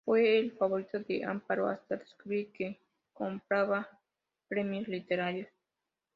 Fue el favorito de Amparo, hasta descubrir que "compraba" premios literarios.